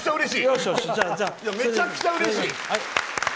めちゃくちゃうれしい！